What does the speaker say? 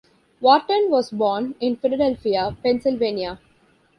Wharton was born in Philadelphia, Pennsylvania.